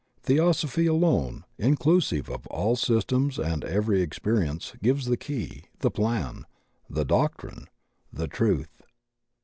Theosophy alone, inclusive of all systems and every experience, gives the key, the plan, the doctrine, the truth.